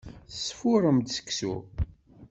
Tesfurrem-d seksu?